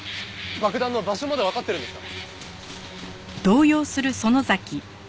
爆弾の場所までわかってるんですか？